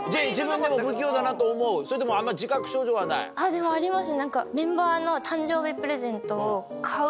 でもあります。